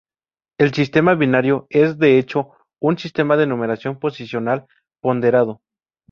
El sistema binario es, de hecho, un sistema de numeración posicional ponderado.